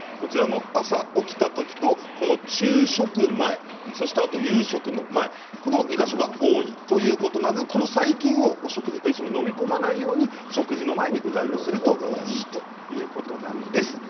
朝、起きたときと昼食前そして夕食の前この２か所が多いということなのでこの細菌をお食事で飲み込まないように食事の前にうがいをするといいということなんです。